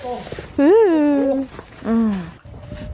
โอ้โห